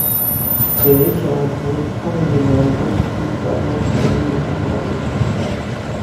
Richard wurde gefangen genommen und im darauf folgenden Jahr ermordet.